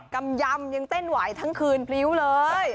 กำยำยังเต้นไหวทั้งคืนพริ้วเลย